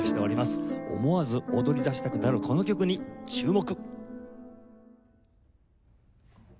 思わず踊りだしたくなるこの曲に注目。